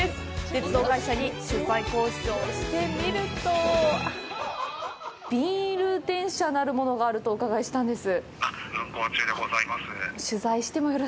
鉄道会社に取材交渉してみるとビール電車なるものがあるとおうかがいしたんです。